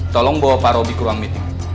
tolong bawa pak roby ke ruang meeting